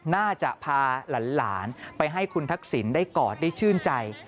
น่าจะพาหลานไปให้คุณทักษิณได้กอดได้ชื่นใจ